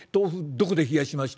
どこで冷やしました？」。